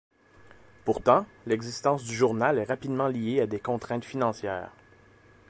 Pourtant, l'existence du journal est rapidement liée à des contraintes financières.